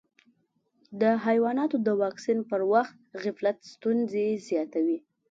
د حیواناتو د واکسین پر وخت غفلت ستونزې زیاتوي.